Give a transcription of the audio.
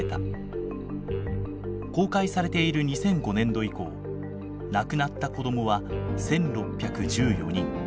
公開されている２００５年度以降亡くなった子どもは１，６１４人。